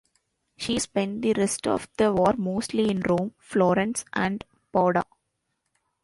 She spent the rest of the war mostly in Rome, Florence, and Padua.